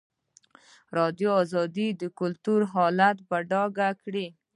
ازادي راډیو د کلتور حالت په ډاګه کړی.